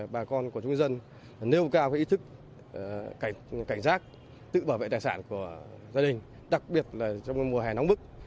bà con của chúng dân dân nêu cao ý thức cảnh giác tự bảo vệ tài sản của gia đình đặc biệt là trong mùa hè nóng bức